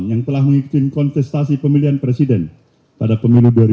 yang telah mengikuti kontestasi pemilihan presiden pada pemilu dua ribu dua puluh empat